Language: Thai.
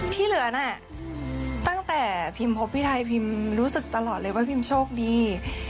ที่เหลือน่ะตั้งแต่พิมพบพี่ไทยพิมรู้สึกตลอดเลยว่าพิมโชคดี